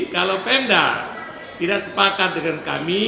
kalau pemda tidak sepakat dengan kami